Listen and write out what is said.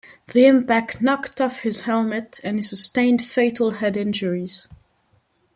The impact knocked off his helmet and he sustained fatal head injuries.